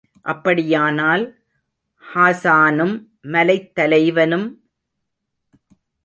அப்படியானால் ஹாஸானும், மலைத் தலைவனும்...?